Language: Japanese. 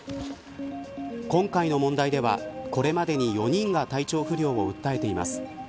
今回の問題ではこれまでに４人が体調不良を訴えています。